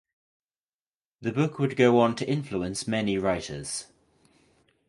The book would go on to influence many writers.